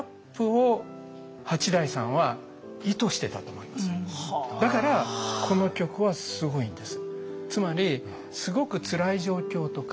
これはだからこの曲はすごいんです。